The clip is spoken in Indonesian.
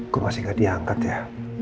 gue masih gak diangkat ya